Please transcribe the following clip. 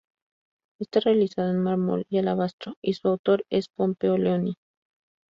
Está realizado en mármol y alabastro y su autor es Pompeo Leoni.